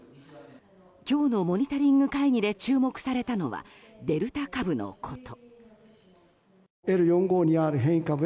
今日のモニタリング会議で注目されたのはデルタ株のこと。